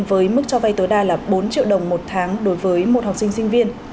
với mức cho vay tối đa là bốn triệu đồng một tháng đối với một học sinh sinh viên